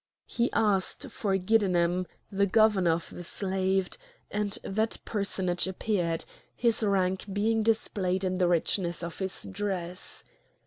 He asked for Giddenem, the governor of the slaves, and that personage appeared, his rank being displayed in the richness of his dress.